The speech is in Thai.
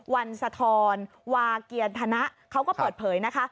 วันสะทอนวาเกียรธนะเขาก็เปิดเผยนะคะ